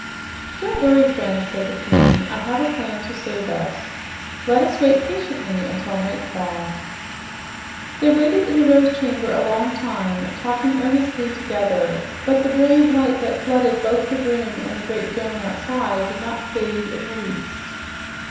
"Don't worry, friend," said the Queen. "I have a plan to save us. Let us wait patiently until nightfall." They waited in the Rose Chamber a long time, talking earnestly together, but the brilliant light that flooded both the room and the great dome outside did not fade in the least.